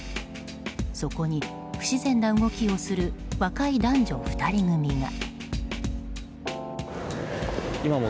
そこに不自然な動きをする若い男女２人組が。